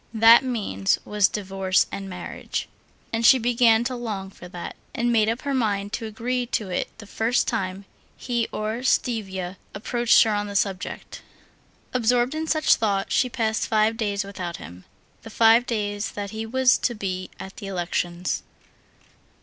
That means was divorce and marriage. And she began to long for that, and made up her mind to agree to it the first time he or Stiva approached her on the subject. Absorbed in such thoughts, she passed five days without him, the five days that he was to be at the elections.